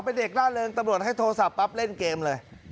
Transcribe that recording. เป็นเด็กล่าเริงตำรวจให้โทรศัพท์ปั๊บเล่นเกมเลย